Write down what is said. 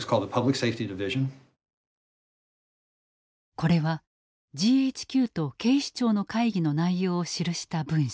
これはＧＨＱと警視庁の会議の内容を記した文書。